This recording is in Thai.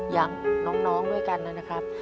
อย่างน้องด้วยกันนะครับ